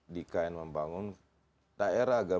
di ikn membangun daerah agak